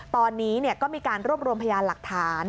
ตอนนี้ก็มีการรวบรวมพยานหลักฐาน